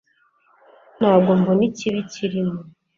Ntabwo mbona ikibi kirimo